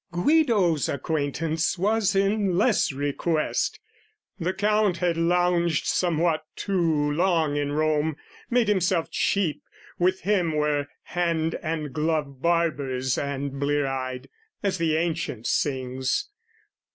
Guido's acquaintance was in less request; The Count had lounged somewhat too long in Rome, Made himself cheap; with him were hand and glove Barbers and blear eyed, as the ancient sings.